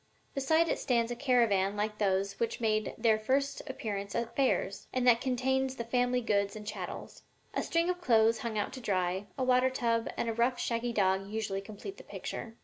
Beside it stands a caravan like those which make their appearance at fairs, and that contains the family goods and chattels. A string of clothes hung out to dry, a water tub and a rough, shaggy dog usually complete the picture.'"